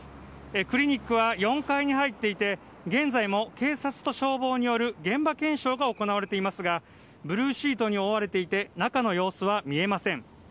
クリニックは４階に入っていて現在も警察と消防による現場検証が行われていますがブルーシートに覆われていて中の様子は見えません。